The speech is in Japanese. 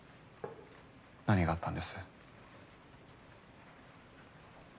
何があったんです？